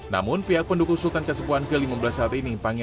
namun pihak pendukung sultan kesepuan ke lima belas saat ini